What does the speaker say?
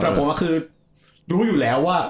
แต่ผมคือรู้อยู่แล้วว่า